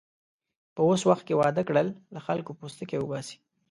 په اوس وخت کې واده کړل، له خلکو پوستکی اوباسي.